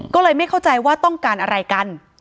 ก็เลยไม่เข้าใจว่าต้องการอะไรกัน